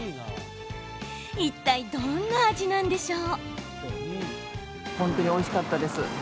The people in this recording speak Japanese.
いったい、どんな味なんでしょう。